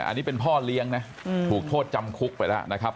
อันนี้เป็นพ่อเลี้ยงนะถูกโทษจำคุกไปแล้วนะครับ